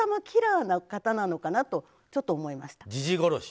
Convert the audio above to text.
キラーな方なのかなとちょっと思いました。